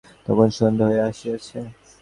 তখন সন্ধ্যা হইয়া আসিয়াছে।